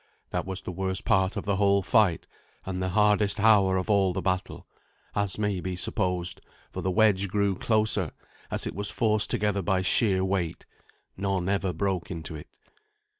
That was the worst part of the whole fight, and the hardest hour of all the battle, as may be supposed, for the wedge grew closer, as it was forced together by sheer weight. None ever broke into it.